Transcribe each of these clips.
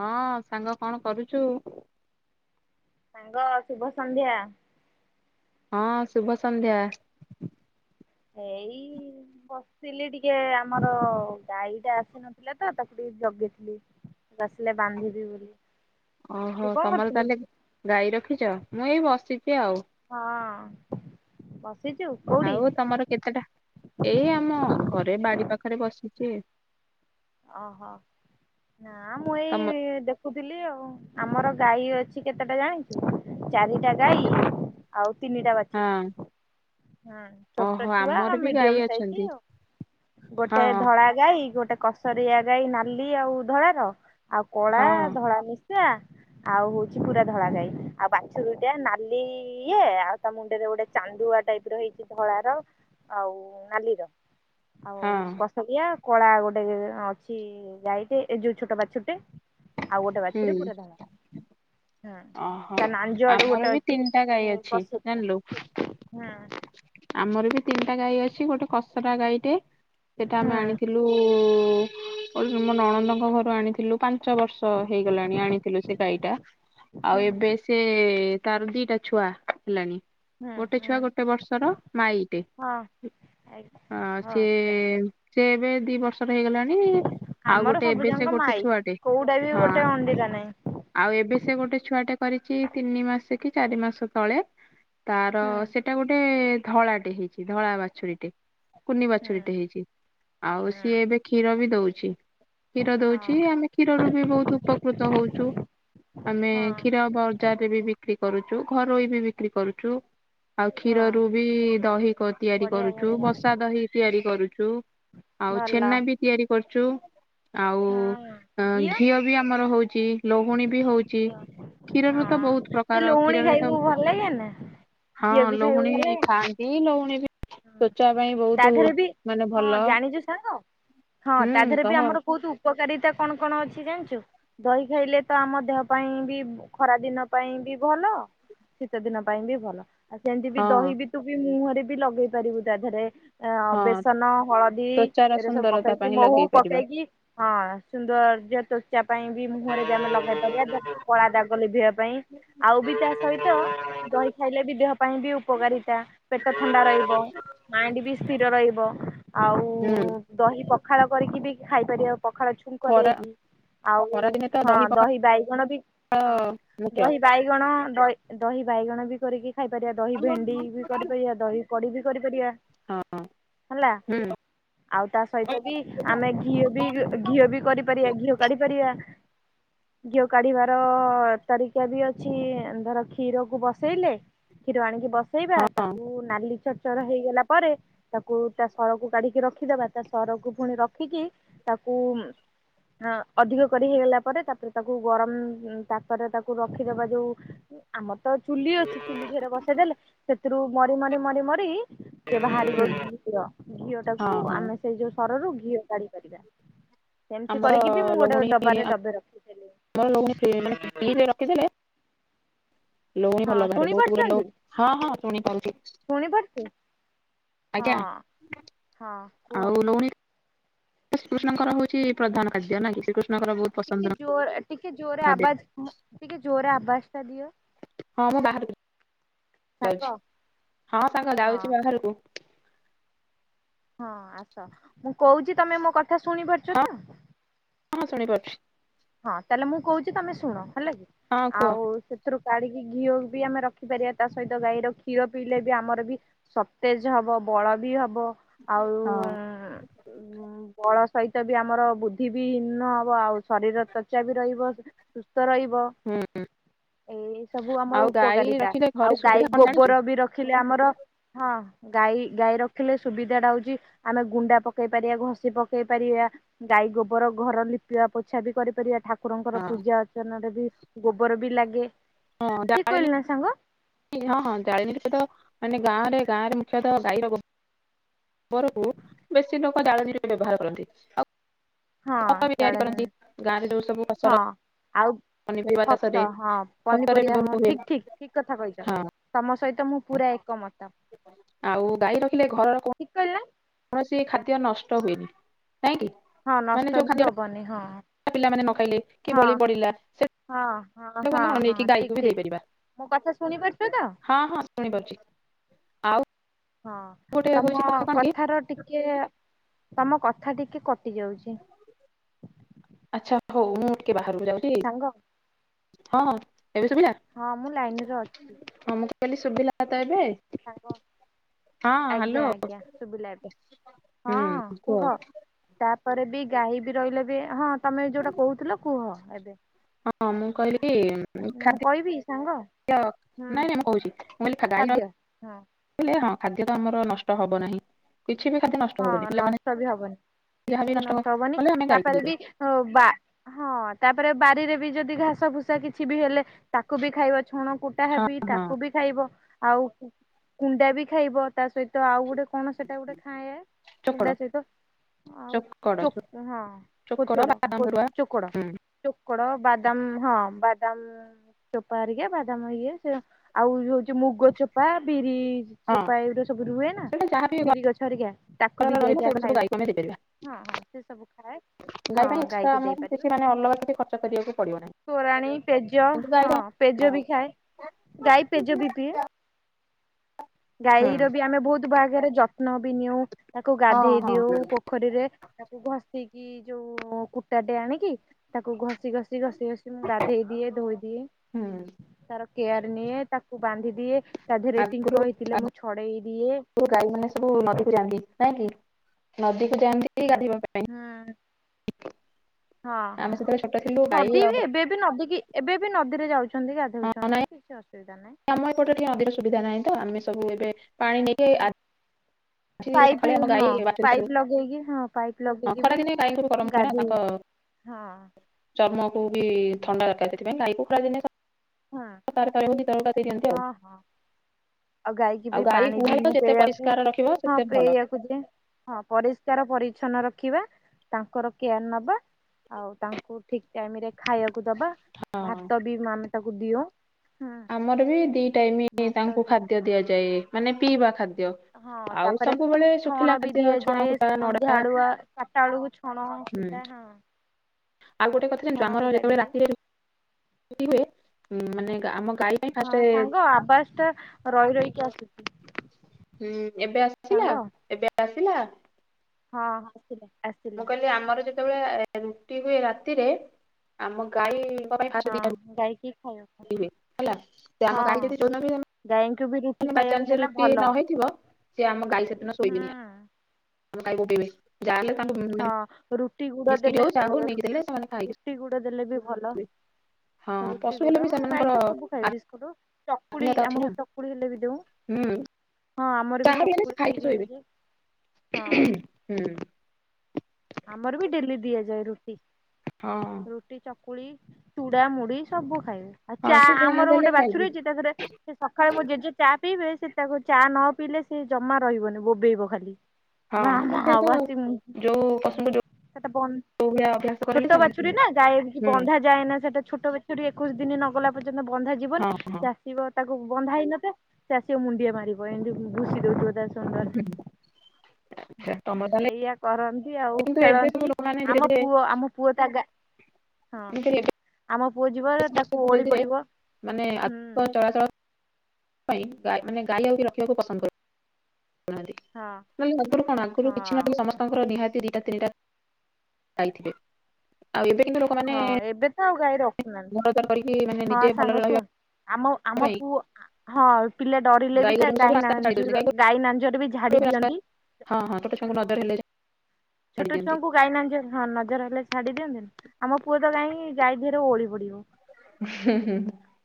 ହଁ ସାଙ୍ଗ କଣ କରୁଚୁ? ସାଙ୍ଗ ଶୁଭ ସନ୍ଧ୍ୟା। ହଁ ଶୁଭ ସନ୍ଧ୍ୟା ଏଇ ବସିଲି ଟିକେ ଆମର ଗାଈ ଟା ଆସିନଥିଲା ତ, ତାକୁ ଟିକେ ଜଗେଇଥିଲି। ଆସିଲେ ବାନ୍ଧି ଦେବୀ ଓହୋ ତମର ତାହେଲେ ଗାଈ ରଖିଚ, ମୁଁ ଏଇ ବସିଚି ଆଉ। ହଁ ବସିଚୁ। ଆଉ ତମର କେତେଟା? ଏଇ ଆମ ଘରେ ବାଡି ପାଖରେ ବସିଚି। ଅହୋ, ନା ମୁଁ ଏଇ ତମ ଦେଖ୍ ଦେଖୁଥିଲି ଆଉ। ଆମର ଗାଈ ଅଛି କେତେଟା ଜାଣିଚୁ, ଚାରିଟା ଗାଈ, ଆଉ ତିନିଟା ହଁ ବାଛୁରି। ହୁଁ ଛୋଟ ଓହୋ ଛୁଆ, ଆମର ଆଉ ବି ଗାଈ ମିଡିୟମ ସାଇଜି ଅଛନ୍ତି। ଆଉ ହଁ ଗୋଟାଏ ଧଳା ଗାଈ ଗୋଟେ କସରିଆ ଗାଈ ନାଲି ଆଉ ଧଳାର ଆଉ କଳା ହଁ ଧଳା ମିସ୍ ସେ ଆ ଆଉ ହୋଉଚି ପୁରା ଧଳାଗାଈ ଆଉ ବାଛରୁଟା ନାଲି ଇଏ, ଆଉ ତା ମୁଣ୍ଡରେ ଗୋଟେ ଚାନ୍ଦୁଆ ଟାଇପ ଟାଇପିର ହେଇଚି ଧଳାର ଆଉ ନାଲିର। ଆଉ ହଁ କଷଗିଆ କଳା ଗୋଟେ। ଅଛି ଗାଈଟେ ଏ ଯୋଉ ଛୋଟ ବାଛୁରଟେ ଆଉ ଗୋଟେ ହୁଁ ବାଛୁରି ପୁରା ଧଳା। ହୁଁ ଓହୋ। ତା ନାଞ୍ଜ ଆଡୁ ଆମର ଗୋଟେ ବି ଅଛି ତିନିଟା ଗାଈ ହୁଁ ଅଛି ପଶୁରିଆ ଜାଣିଲୁ। ହୁଁ। ଆମର ବି ତିନିଟା ଗାଈ ଅଛି ଗୋଟେ କସରା ଗାଈଟେ। ସେଟା ହୁଁ ଆମେ ଆଣିଥିଲୁ, [unintelligible] ମୋ ନଣନ୍ଦଙ୍କ ଘରୁ ଆଣିଥିଲୁ। ପାଞ୍ଚ ବର୍ଷ ହେଇଗଲାଣି ଆଣିଥିଲୁ ସେ ଗାଈଟା ଆଉ ହୁଁ ଏବେ ସେ ତାର ଦିଟା ଛୁଆ ହେଲାଣି, ହୁଁ ଗୋଟେ ହୁଁ ଛୁଆ ଗୋଟେ ବର୍ଷର ମାଇ ଟେ ହଁ ଆ ହଁ ସିଏ ଆଚ୍ଛା। ସେ ଏବେ ଦି ବର୍ଷର ହେଇଗଲାଣି। ଆଉ ଆମର ଗୋଟେ ସବୁ ଏବେ ସେ ଯାଙ୍କ ଗୋଟେ ମାଇ ଛୁଆଟେ, କୋଉଟା ବି ହଁ। ଗୋଟେ ଅଣ୍ଡିରା ନାହିଁ। ଆଉ ଏବେ ସେ ଗୋଟେ ଛୁଆଟେ କରିଚି ତିନି ମାସ କି ଚାରି ମାସେ ତଳେ। ତାର ହୁଁ ସେଟା ଗୋଟେ ଧଳାଟେ ହେଇଚି ଧଳା ବାଛୁରୀଟେ। କୁନି ହୁଁ ବାଛୁରୀଟେ ହେଇଚି, ଆଉ ହୁଁ ସିଏ ଏବେ କ୍ଷୀର ବି ଦୋ, କ୍ଷୀର ହଁ ଦୋଉଚି ଆମେ କ୍ଷୀରରୁ ବି ବହୁତ ଉପକୃତ ହଉଚୁ। ଆମେ ହଁ କ୍ଷୀର ବଜାରରେ ବି ବିକ୍ରି କରୁଚୁ ଘରୋଇ ବି ବିକ୍ରି କରୁଚୁ। ଆଉ ହଁ କ୍ଷୀରରୁ ବି ଦହି ତିଆରି ବଢିଆ କରୁଛୁ ବଢିଆ ବସା ଦହି ତିଆରି କରୁଛୁ ଆଉ ଭଲ ଛେନା ବି ତିଆରି କରୁଚୁ। ଆଉ ଘିଅ ବି ଆମର ହଉଛି ଲହୁଣୀ ବି ହଉଛି। କ୍ଷୀରରୁ ତ ହଁ ବହୁତ୍ ସେ ପ୍ରକାର ଲହୁଣୀ କ୍ଷୀରରେ ତ ଖାଇବୁ ଭଲ ଲାଗେ ନା ଘିଅ ହଁ ବି ଖାଇବୁ ଭଲ ଲହୁଣୀ। ଲାଗେ ନା? ଖାଆନ୍ତି ଲଉଣୀ ବି ତ୍ୱଚା ପାଇଁ ବହୁତ୍ ମାନେ ଭଲ। ଯୋଉ ସାଙ୍ଗ। ହଁ ତା ହୁଁ ଦେହରେ ବି କହ ଆମର ବହୁତ୍ ଉପକାରିତା କଣ କଣ ଅଛି ଜାଣିଚୁ? ଦହି ଖାଇଲେ ତ ଆମ ଦେହ ପାଇଁ ବି ଖରା ଦିନ ପାଇଁ ବି ଭଲ। ଶୀତ ଦିନ ପାଇଁ ବି ଭଲ ଆଉ ସେମିତି ବି ଦହି ହଁ ବି ତୁ ବି ମୁହଁରେ ବି ଲଗେଇ ପାରିବୁ ତା ଦେହରେ। ଅ ହଁ ବେସନ, ହଳଦୀ, ତ୍ୱଚାର ଏଗୁରା ସବୁ ସୁନ୍ଦରତା ପକେଇକି ପାଇଁ ମହୁ ଲଗେଇ ପାରିବା। ପକେଇକି ହଁ ସୁନ୍ଦର ଯେହେତୁ ଯା ପାଇଁ ବି ମୁହଁରେ ବି ଆମେ ଲଗେଇ ପାରିବା କଳା ଦାଗ ଲିଭାଇବା ପାଇଁ ଆଉ ବି ତା ସହିତ ଦହି ଖାଇଲେ ବି ଦେହ ପାଇଁ ବି ଉପକାରିତା ପେଟ ଥଣ୍ଡା ରହିବ। ମାଇଣ୍ଡ୍ ବି ସ୍ଥିର ରହିବ ଆଉ ହୁଁ। ଦହି ପଖାଳ କରିକି ବି ଖାଇପାରିବ ପଖାଳ ଛୁଙ୍କ ଖରା ଦେଇକି ଆଉ ଖରାଦିନେ ତ ହଁ ପଖାଳ ଦହି ବାଇଗଣ ବି ହଁ। ହଁ ମୁଖ୍ୟ ଦହି ବାଇଗଣ ଦହି ଦହି ବାଇଗଣ ବି କରିକି ଖାଇପାରିବା ଦହି ହଁ ହୁଁ। ଭେଣ୍ଡି ବି କରିପାରିବା ଦହି କଡି଼ ବି କରିପାରିବା। ହେଲା ଆଉ ତା ସହିତ ବି ଆମେ ଘିଅ ହଁ ବି ଘିଅ ବି କରିପାରିବା ହୁଁ ଘିଅ କାଢ଼ି ପାରିବା। ଘିଅ କାଢି଼ବା ର ତରିକା ବି ଅଛି ଧର କ୍ଷୀରକୁ ବସେଇଲେ। କ୍ଷୀର ଆଣିକି ବସେଇବା ହଁ ତାକୁ ନାଲି [unintelligible] ର ହେଇଗଲା ପରେ ତାକୁ ତା ସରକୁ କାଢି଼କି ରଖିଦବା ତା ସରକୁ ପୁଣି ରଖିକି ତାକୁ ଉଁ ଆଁ ଅଧିକ କରି ହେଇଗଲା ପରେ ତାପରେ ତାକୁ ଗରମ ତାପରେ ତାକୁ ରଖିଦବା ଯୋଉ ଆମର ତ ଚୁଲି ଅଛି ଚୁଲି ଧିରେ ବସେଇ ଦେଲେ ସେଥିରୁ ମରି ମରି ମରି ମରି ସେ ବାହାରିବ ଘିଅ ଘିଅ ଟାକୁ ହଁ ଆମେ ସେଇ ଯୋଉ ସରରୁ ଘିଅ କାଢି଼ପାରିବା। ସେମିତି ଆମର କରିକି ବି ମୁଁ ଗୋଟେ ଡବାରେ ଡବେ ରଖିଥିଲି। [unintelligible] ରଖି ଦେଲେ ଲହୁଣୀ ହଁ ଭଲ ବାହାରେ ବହୁତ୍ ଗୁଡେ଼ ଲହୁ ହଁ ହଁ ଶୁଣି ପାରୁଚି। ଶୁଣିପାରୁଚୁ ହଁ ହଁ କୁହ। ଆଉ ଲହୁଣୀ ଶ୍ରୀକୃଷ୍ଣଙ୍କର ହଉଛି ପ୍ରଧାନ ଖାଦ୍ୟ ନା କି ଶ୍ରୀକୃଷ୍ଣଙ୍କର ବହୁତ୍ ଟିକେ ଜୋର ଟିକେ ଜୋରେ ଆବାଜ ଟିକେ ଜୋରେ ଆବାଜ ଟା ଦିଅ। ହଁ ମୁଁ ବାହାରକୁ ସାଙ୍ଗ ଯାଉଚି ହଁ ସାଙ୍ଗ ହଁ ଯାଉଚି ବାହାରକୁ। ହଁ ଆସ ମୁଁ କହୁଚି ତମେ ମୋ କଥା ଶୁଣିପାରୁଛ ହଁ ତ। ହଁ ଶୁଣିପାରୁଚି। ହଁ ତାହେଲେ ମୁଁ କହୁଚି ତମେ ଶୁଣ ହେଲା କି ହଁ କୁହ ଆଉ ସେ ରୁ କାଢି଼କି ଘିଅ ବି ଆମେ ରଖିପାରିବା ତା ସହିତ ଗାଈର କ୍ଷୀର ପିଇଲେ ବି ଆମର ବି ସତେଜ୍ ହବ ବଳ ବି ହବ ଆଉ ହଁ ଉଁ ଉଁ ଉଁ ବଳ ସହିତ ବି ଆମର ବୁଦ୍ଧି ବି ହିନ୍ନ ହବ ଆଉ ଶରୀର ତ୍ୱଚା ବି ରହିବ ସୁସ୍ଥ ରହିବ। ହୁଁ ହୁଁ। ଏଇ ସବୁ ଆମର ଉପକାରିତା ରଖିଲେ ଘରେ ଆଉ ଗାଈ ସୁବିଧା କଣ ଜାଣିଛୁ ଗୋବର ବି ରଖିଲେ ଆମର ହଁ ଗାଈ ଗାଈ ରଖିଲେ ସୁବିଧାଟା ହଉଚି ଆମେ ଗୁଣ୍ଡା ପକେଇ ପାରିଆ ଘଷି ପକେଇ ପାରିଆ ଗାଈ ଗୋବର ଘର ଲିପିଆ ପୋଛା ବି କରିପାରିଆ ଠାକୁରଙ୍କର ହଁ ପୂଜା ଅର୍ଚ୍ଚନା ରେ ବି ଗୋବର ବି ଲାଗେ। ହଁ ଠିକ କହିଲି ଯାଏନି। ନା ସାଙ୍ଗ ହଁ ହଁ ଜାଳେଣି ସଇତ ମାନେ ଗାଁ ରେ ଗାଁରେ ମୁଖ୍ୟତଃ ଗାଈର ଗୋ ବର କୁ ବେଶୀ ଲୋକ ଜାଳେଣି ରେ ବ୍ୟବହାର କରନ୍ତି ଆଉ ହଁ ଖତ ବି ତିଆରି ଜାଳେ କରନ୍ତି ଗାଁ ରେ ଯୋଉ ସବୁ ହଁ ଫସଲ ଆଉ ପନିପରିବା ଚାଷରେ ଖତ ହଁ ଖତରେ ପନିପରିବା ହଁ ବ୍ୟବହୃତ ହୁଏ ଠିକ ଠିକ ଠିକ କଥା କହିଚ। ହଁ ତମ ସହିତ ମୁଁ ପୁରା ଏକମତ ଆଉ ଗାଈ ରଖିଲେ ଘରର କୋ ଠିକ କହିଲି ନା କୌଣସି ଖାଦ୍ୟ ନଷ୍ଟ ହୁଏନି, ନାଇଁ କି? ହଁ ମାନେ ନଷ୍ଟ ଯୋଉ ବି ଖାଦ୍ୟଟା ହବନି ହଁ। ପିଲାମାନେ ନ ଖାଇଲେ କି ହଁ ବଳି ପଡିଲା ସେ ହଁ ହଁ ହଁ କଣ ହଁ ନେଇକି ଠିକ ଗାଈକୁ ବି ଠିକ। ଦେଇପାରିବା। ମୋ କଥା ଶୁଣିପାରୁଛ ତ? ହଁ ହଁ ଶୁଣି ପାରୁଚି। ହଁ ହଉଛି ତମ କଥା କଣ କି କଥାର ଟିକେ ତମ କଥା ଟିକେ କଟି ଯାଉଚି। ଆଚ୍ଛା ହଉ ମୁଁ ଟିକେ ବାହାରକୁ ଯାଉଚି। ସାଙ୍ଗ ହଁଁ ଏବେ ଶୁଭିଲା। ହଁ ମୁଁ ଲାଇନ ରେ ଅଛି। ହଁ ମୁଁ କଇଲି ସୁବିଲା ତ ଏବେ? ସାଙ୍ଗ। ହଁ ହ୍ୟାଲୋ ଆଜ୍ଞା ଆଜ୍ଞା ଶୁବିଲା ଏବେ ହଁ କୁହ। ତାପରେ ବି ଗାଈ ବି ରହିଲେ ବି ହଁ ତମେ ଯୋଉଟା କହୁଥିଲ କୁହ ଏବେ। ହଁ ମୁଁ କଇଲି ମୁଁ ଖାଦ୍ୟ କହିବି ସାଙ୍ଗ ନାଇଁ ହୁଁ ନାଇଁ ମୁଁ କହୁଛି ମୁଁ କହିଲି ଗାଇ ଖାଦ୍ୟ ରହିଲେ ହଁ। ଲେ ହଁ ଖାଦ୍ୟ ତ ଆମର ନଷ୍ଟ ହବ ନାହିଁ। କିଛି ବି ଖାଦ୍ୟ ନ ହଁ ନଷ୍ଟବି ହବନି କିଛିବି ନଷ୍ଟ ହବନି କଲେ ଆମେ ଗାଈକି ତାପରେ ଦେଇଦବା ବି ହଉ ବା ହଁ ତାପରେ ବାରିରେ ବି ଯଦି ଘାସ ଫୁସା କିଛି ବି ହେଲେ ତାକୁ ବି ଖାଇବ ଛୁଣ କୁଟା ହଁ ହେବି ହଁ ତାକୁ ବି ଖାଇବ, ଆଉ କୁଣ୍ଡା ବି ଖାଇବ, ତା ସହିତ ଆଉ ଗୋଟେ କଣ ସେଟା ଗୋଟେ ଖାଏ କୁଣ୍ଡା ଚୋକଡ଼ ସହିତ ଆଉ ଚୋକଡ଼ ଚୋ ହଁ ଚୋକଡ଼ କୋଚଡ଼ ବାଦାମ କୋ ପରୁଆ ଚୋକଡ। ହୁଁ ଚୋକଡ଼, ବାଦାମ ହଁ ବାଦାମ ଚୋପା ଆରିକା ବାଦାମ ଇଏ ସେ ଆଉ ହଉଛି ମୁଗ ଚୋପା ବିରି ହଁ ଚୋପା ଏଗୁଡା ସବୁ ରୁହେ ନା ସେଇଟା ଯାହାବି ବିରି ଗଛ ଅରିକା। ତାକୁ ବି ଘରର ରହିବ ଦିଆଯାଏ ସେଗୁଡା ସବୁ ଖାଇଲେ ଗାଈକୁ ଆମେ ଦେଇପାରିବା ହଁ ହଁ ସେ ସବୁ ଖାଏ। ହଁ ଗାଈ ପାଇଁ ଏକ୍ସଟ୍ରା ଗାଈକି ଆମକୁ କିଛି ଦେଇପାରିବ ମାନେ ଅଲଗା କିଛି ଖର୍ଚ୍ଚ କରିବାକୁ ପଡିବ ନାହିଁ ତୋରାଣୀ, ପେଜ କିନ୍ତୁ ଗାଈ ପାଇଁ ହଁ। ପେଜ ବି ହଁ ଖାଏ, ଗାଈ ପେଜ ବି ପିଏ। ହୁଁ ଗାଈର ବି ଆମେ ବହୁତ ଭାଗରେ ଯତ୍ନ ବି ନଉ ତାକୁ ହଁ ଗାଧେଇ ଦଉ ହଁ ପୋ ପୋଖରୀରେ ତାକୁ ଘଷିକି ଯୋଉ କୁଟାଟେ ଆଣିକି ତାକୁ ଘଷିଘଷି ଘଷି ସଏ ସ ମୁଁ ଗାଧେଇଦିଏ ଧୋଇଦିଏ ହୁଁ ତାର କେୟାର ନିଏ ତାକୁ ବାନ୍ଧିଦିଏ। ତା ଦେହରେ ଟିଙ୍କ ହୋଇଥିଲେ ମୁଁ ଛଡେଇ ଦିଏ। ଯୋଉ ଗାଈ ମାନେ ସବୁ ନଦୀକୁ ଯାଆନ୍ତି କାଇଁକି? ନଦୀକୁ ଯାଆନ୍ତି ଗାଧୋଇ ପାଇଁ [unintelligible] ହୁଁ, ହଁ, ଆମେ ହଁ। ସେତେବେଳେ ଛୋଟ ଥିଲୁ ଗାଈ ନଦୀ ଆଉ ବି ଏବେ ବି ନଦୀ କି ଏବେ ବି ନଦୀରେ ଯାଉଛନ୍ତି ହଁ ନାଇଁ ଗାଧଉଛନ୍ତି କିଛି ଅସୁବିଧା ନାହିଁ। ଆମ ଏପଟେ ଟିକେ ଅଧିକ ସୁବିଧା ନାହିଁ ତ ଆମେ ସବୁ ଏବେ ପାଣି ନେଇକି [unintelligible] [inaudible] ହଁ ଆଜି ପାଇପ ସକାଳେ ଆମ ହଁ ଗାଈ ବାଛୁରୀ ସବୁ ପାଇପ ଲଗେଇକି ହଁ। ପାଇପ୍ ହଁ ଲଗେଇକି ବି ଖରାଦିନେ ଗାଈଙ୍କୁ ବି ଗରମ ହୁଏ ନା ଗାଧୋଇ ତାଙ୍କ ହଁ। ଚର୍ମକୁ ବି ଥଣ୍ଡା ଦରକାର ସେଥିପାଇଁ ହଁ ଗାଈ କୁ [inaudible] ହଁ, ହଁ। ଆଉ ଗଈକି ବି ଗାଈ ପାଣି ବି ଗୁହାଳ ତ ମୁଁ ଯେତେ ପିଇବାକୁ ପରିଷ୍କାର ରଖିବ ହଁ ସେତେ ଭଲ ପିୟେବାକୁ ଦିଏ। ହଁ ପରିଷ୍କାର ପରିଚ୍ଛନ୍ନ ରଖିବା ତାଙ୍କର କେୟାର ନବା ଆଉ ତାଙ୍କୁ ଠିକ୍ ଟାଇମରେ ଖାଇବାକୁଦବା ହଁ। ଭାତ ବି ଆମେ ତାକୁ ଦିଅଉଁ, ହୁଁ। ଆମର ବି ଦିଟାଇମ୍ ଭାତ ତାଙ୍କୁ ଦିଏ। ଖାଦ୍ୟ ଦିଆଯାଏ ମାନେ ପିଇବା ଖାଦ୍ୟ। ହଁ ଆଉ ତାପରେ ସବୁବେଳେ ଶୁଖିଲା ଛଣ ବି ଖାଦ୍ୟ ଛଣ ଦିଆଯାଏ କୁଟା ସନ୍ଧ୍ୟା ନଡା ବଳୁଆ ଚାରିଟା ବେଳକୁ ଛଣ ହ ହୁଁ। ସେଟା ହଁ। [inaudible] ଆଉ ଗୋଟେ କଥା ଜାଣିଛୁ ଛଣ ଆମର କୁଟା ବି ଯେତବେଳେ ଦିଏ। ରାତିରେ ରୁଟି ହୁଏ ମାନେ ଆମ ଗାଈ [unintelligible] ହଁ, ସାଙ୍ଗ ଆବାଜ ଟା ରହି ରହିକି ଆସୁଛି। ହୁଁ ଏବେ [inaudible] ଆସିଲା ସାଙ୍ଗ ଏବେ ଆସିଲା ହଁ, ହଁ ଆଶିଲା ଆସି ମୁଁ କହିଲି ଆମର ଯେତେବେଳେ ରୁଟି ହୁଏ ରାତିରେ ଆମ ଗାଈ ପାଇଁ ଫାର୍ଷ୍ଟ ଦିଟା ରୁ ଗାଈ କିିଏ ଖାଇବ? [inaudible] ହେଲା ସେ ଆମ ଗାଈ କତିକି ଯୋଉ ଦିନ ଗାଈଙ୍କୁ ରୁଟି ବି ଖାଇବାକୁ ବାଇଚାଞ୍ଜ ଦେଲେ ରୁଟି ଭଲ। ନ ହେଇଥିବ ସେ ଆମ ଗାଈ ସେଦିନ ଶୋଇବେନି ଆ [unintelligible] ହୁଁ। ଆମ ଗାଈ ବିବେଇବେ ଯାହା ହେଲେ ତାଙ୍କୁ [unintelligible] ହଁ, ରୁଟି ଗୁଡ ବିସ୍କିଟ ଦେଲେ ହଉ ଚାହା ହଉ ନେଇକି ଦେଲେ ସେମାନେ ଖାଇକି ରୁଟି ଗୁଡ ଦେଲେ ବି ଭଲ। ଶୋଇବେ ହଁ ରୁଟି ପଶୁ ଗୁଡ ହେଲେ ବି ହଁ ଗାଈ ସେମାନଙ୍କର ତ ସବୁ ଖାଏ ବିସ୍କୁଟୁ ଚକୁଳି ଆତ୍ମୀୟତା ଅଛି ଆମର ନା ଚକୁଳି ହେଲେ ବି ଦଉ। ହୁଁ ହଁ ଆମର ବି ଯାହା ହେଲେ ସେ ଚକୁଳି ବି ଖାଇକି ଶୋଇବେ ଦିଆଯାଏ ହଁ। ହୁଁ। ଆମର ବି ଡେଲି ଦିଆଯାଏ ରୁଟି। ହଁ। ରୁଟି, ଚକୁଳି, ଚୁଡା, ମୁଢ଼ି ସବୁ ଖାଇବେ ଆଉ ହଁ ଚା ସେ ଯାହା ଆମର ଦେଲେ ଗୋଟେ ବାଛୁରୀ ଖାଇବେ ଅଛି ତାଧୀରେ [unintelligible] ସେ ସକାଳେ ମୁଁ ଜେଜେ ଚା ପିଇବେ ସେ ତାକୁ ଚା ନପିଇଲେ ସେ ଜମା ରହିବନି ବୋବେଇବ ଖାଲି। ମା ମା ହବ ଆସି ମୁ [unintelligible] ଯଉ [unintelligible] ସେଟା ବ କରେଇଲେ ଛୋଟ ସେମାନେ ବାଛୁରୀ ନା ଗାଈ କିଛି ହୁଁ ବନ୍ଧା ଯାଏନା ସେଟା ଛୋଟ ବାଛୁରୀ ଏକୋଇଶି ଦିନ ନ ଗଲା ପର୍ଯ୍ୟନ୍ତ ବନ୍ଧା ହଁ ଯିବନି ହଁ ସେ ଆସିବ ତାକୁ ବନ୍ଧା ହେଇ ନ ଥାଏ ସେ ଆସିବେ ମୁଣ୍ଡିଆ ମାରିବ ଏମିତି ଭୁଷି ଦଉଥିବ ତା ସହ। ହୁଁ ଆଚ୍ଛା ତମର ତାହେଲେ ଏଇଆ କରନ୍ ଆଉ କିନ୍ତୁ ଏବେ ସବୁ ଖେଳନ୍ତି ଲୋକମାନେ ଧୀରେ ଆମ ଧୀରେ ପୁଅ ଆମ ପୁଅ ତା ଗା ହଁ ମୁଁ କହିଲି ଏବେ ଆମ ପୁଅ ଯିବ ସମସ୍ତେ ତାକୁ ଧୀରେ ଓହଳି ଧୀରେ ପଡିବ, ମାନେ ହୁଁ। ସେଥି ପାଇଁ ମାନେ ଗାଈ ଆଉ ବି ରଖିବାକୁ ପସନ୍ଦ କରୁ ନାହାନ୍ତି [unintelligible] ହଁ। ନାଇ ଆଗରୁ କଣ ଆଗରୁ ହଁ କିଛି ନା ସମସ୍ତଙ୍କର ନିହାତି ଦିଟା ତିନିଟା ଗାଇଥିବେ। ଆଉ ଏବେ କିନ୍ତୁ ଲୋକମାନେ ହଁ ଏବେ ତ ଆଉ ଗାଈ ରଖୁନାହାନ୍ତି ଘରଦ୍ୱର କରିକି ମାନେ ହଁ ନିଜେ ସାଙ୍ଗ ଭଲରେ ଶୁଣ ରହିବା। ଆମ ପାଇଁ ଆମପୁଅ। ହଁ ପିଲେ ଡରିଲେ ବି ତା ଗୋରୁଙ୍କୁ ସବୁ ଗାଈ ରାସ୍ତାକୁ ଛାଡି ଦଉଛନ୍ତି ନାଞ୍ଜୁର ଗାଈ ନାଞ୍ଜରେ ବି ଗୋରୁ ଝାଡି ଏବେ ରାସ୍ତା ଦିଅନ୍ତି। ହଁ ହଁ ଛୋଟ ଚୁଆଙ୍କୁ ନଜର ହେଲେ। ଛାଡି ଛୋଟ ଦିଅନ୍ତି ଛୁଆଙ୍କୁ। ଗାଇ ଲାଞ୍ଜ ହଁ ନଜର ହେଲେ ଝାଡି ଦିଅନ୍ତିନି ଆମ ପୁଅ ତ ଯାଇ ଗାଈ ଦିହରେ ଓଳି ପଡିବ। ହୁଁ ହୁଁଁ।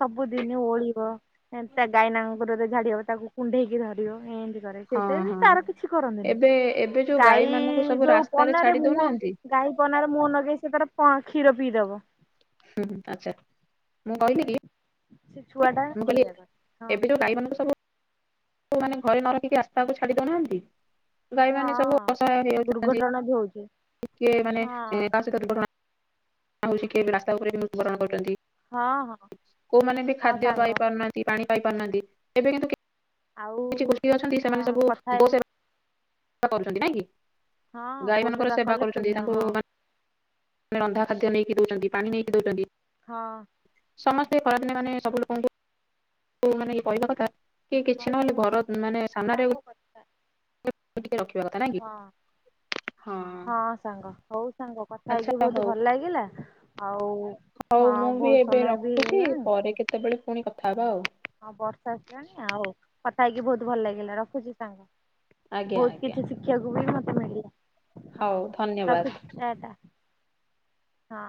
ସବୁଦିନେ ଓହଳିବ ଏମେତା ଗାଈ ଲାଞ୍ଜ। ଓପରରେ ଝାଡ଼ିବ ତାକୁ କୁଣ୍ଡେଇକି ଧରିବ ଏମିତି କରେ। ସେ ହଁ ତିଥିରେ ହଁ ତାର କିଛି ଏବେ ଏବେ ଯୋଉ କରନ୍ତିନେହିଁ ମାନଙ୍କୁ ଗାଈ ସବୁ ଯୋଉ ରାସ୍ତାରେ ପନାରେ ଛାଡି ମୁହଁ ଦଉନାହାନ୍ତି ଗାଈ ପନାର ମୁହଁ ଲଗେଇ ସେ ତାର ପ କ୍ଷୀର ପିଇଦବ। ହୁଁ ଆଚ୍ଛା ମୁଁ କହିଥିଲି? ସେ ଛୁଆ ଟା ମୁଁ କହିଲି ଏଇଆ କରେ ହଁ ଏବେ ଯୋଉ ଗାଈ ମାନଙ୍କୁ ସବୁ ମାନେ ଘରେ ନ ରଖିକି ରାସ୍ତାକୁ ଛାଡି ଦଉନାହାନ୍ତି। ଗାଈ ମାନେ ସବୁ ହଁ। ଅସହାୟ ହେଇଯାଉଚନ୍ତି ଦୁର୍ଘଟଣା ବି ହଉଛି ଟିକେ ମାନେ ହଁ ତା ସହିତ ଦୁର୍ଘଟଣା। ଆଉ କିଏ ରାସ୍ତା ଉପରେ ବି ମୃତୁବରଣ କରୁଚନ୍ତି ହଁ ହଁ କୋଉମାନେ ବି ହଁ ଖାଦ୍ୟ ସାଙ୍ଗ ପାଇପାରୁନାହାନ୍ତି। ପାଣି ପାଇ ପାରୁନାହାନ୍ତି ଏବେ କିନ୍ତୁ ଆଉ କିଛି ଗୋଷ୍ଠୀ ଅଛନ୍ତି ହଁ ସେମାନେ ସବୁ କଥା ହେଇ ଗୋ ସେବା ସେବା କରୁଚନ୍ତି ନା କି ହଁ ଗାଈ ଗୋ ମାନଙ୍କର ସେବା କଲେ କରୁଛନ୍ତି ପୁଣ୍ୟ ତାଙ୍କୁ ହଁ ମାନେ ରନ୍ଧା ଖାଦ୍ୟ ନେଇକି ଦୋଉଚନ୍ତି ପାଣି ନେଇକି ଦୋଉଚନ୍ତି। ହଁ। ସମସ୍ତେ ଖରାଦିନେ ମାନେ ସବୁ ଲୋକଙ୍କୁ ମାନେ କହିବା କଥା। କି କିଛି ନହେଲେ ଘର ମାନେ ସାାମାନାରେ। ହ ଟିକେ ରଖିବା କଥା ନାହିଁ। ହଁ ହଁ ସାଙ୍ଗ ହଉ ସାଙ୍ଗ କଥା ଆଚ୍ଛା ହେଇକି ବହୁତୁ ହଉ ଭଲ ଲାଗିଲା। ଆଉ ହଉ ମୁଁ ହଁ ବି ବହୁତୁ ଏବେ ସମୟ ବି ରଖୁଛି ହେଲାଣି। ପରେ କେତେବେଳେ ପୁଣି କଥା ହେବା ଆଉ। ହଁ ବର୍ଷା ଆସିଲାଣି ଆଉ କଥା ହେଇକି ବହୁତୁ ଭଲ ଲାଗିଲା ରଖୁଚି ସାଙ୍ଗ। ଆଜ୍ଞା ବହୁତୁ ଆଜ୍ଞା କିଛି ଶି୍ଖିବାକୁ ବି ମତେ ମିଳିଲା ହଁ ହଉ ଧନ୍ୟବାଦ। ରଖୁଚି ଟାଏ ଟା। ହଁ।